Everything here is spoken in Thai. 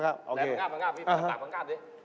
ดาบมังงาบพี่คำดับตากมังงาบสิ